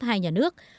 hai nhà nước